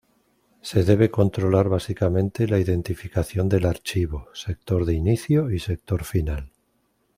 Se debe controlar básicamente la identificación del archivo, sector de inicio y sector final.